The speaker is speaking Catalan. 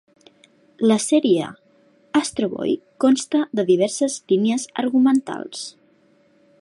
La sèrie "Astro Boy" consta de diverses línies argumentals.